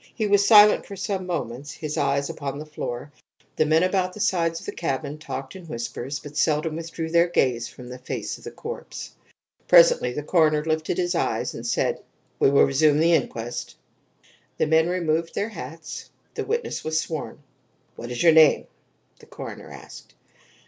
He was silent for some moments, his eyes upon the floor. The men about the sides of the cabin talked in whispers, but seldom withdrew their gaze from the face of the corpse. Presently the coroner lifted his eyes and said: "We will resume the inquest." The men removed their hats. The witness was sworn. "What is your name?" the coroner asked.